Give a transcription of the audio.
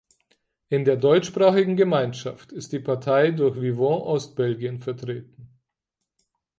In der Deutschsprachigen Gemeinschaft ist die Partei durch Vivant-Ostbelgien vertreten.